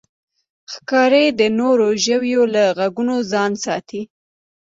ښکاري د نورو ژویو له غږونو ځان ساتي.